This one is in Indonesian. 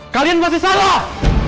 kalian pasti salah